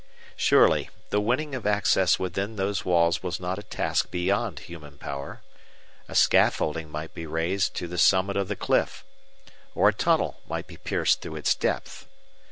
Surely, the winning of access within those walls was not a task beyond human power. A scaffolding might be raised to the summit of the cliff; or a tunnel might be pierced through its depth.